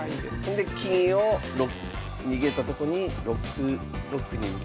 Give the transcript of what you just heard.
で金を逃げたとこに６六に打つ。